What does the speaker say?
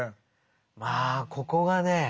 まあここがね